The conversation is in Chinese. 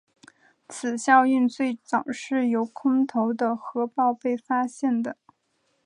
此效应最早是由空投的核爆被发现的。